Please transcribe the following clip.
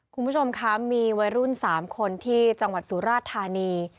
คุณผู้ชมคะมีวัยรุ่น๓คนที่จังหวัดสุราชธานี